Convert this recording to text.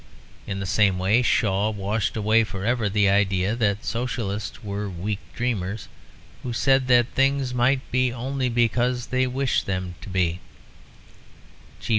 In the same way Shaw washed away for ever the idea that Socialists were weak dreamers, who said that things might be only because they wished them to be.